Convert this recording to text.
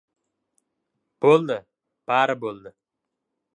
— Bo‘ldi, bari bo‘ldi.